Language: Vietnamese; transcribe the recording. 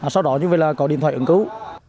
sau đó như vậy là có điện thoại ứng cứu